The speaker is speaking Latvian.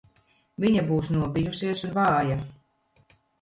Viņa būs nobijusies un vāja.